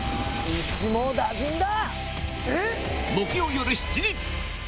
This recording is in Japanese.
一網打尽だ！